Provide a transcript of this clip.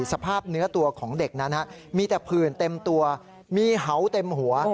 สภาพเนื้อตัวของเด็กนั้นมีแต่ผื่นเต็มตัวมีเห่าเต็มหัว